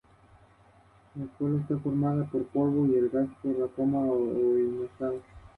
La forma y los colores del escudo se asemejan al de la nación.